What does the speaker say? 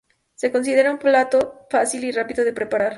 Se considera un plato fácil y rápido de preparar.